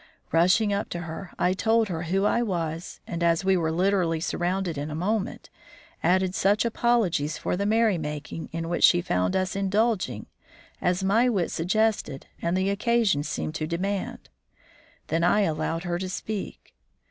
Rushing up to her, I told her who I was, and, as we were literally surrounded in a moment, added such apologies for the merrymaking in which she found us indulging as my wit suggested and the occasion seemed to demand. Then I allowed her to speak.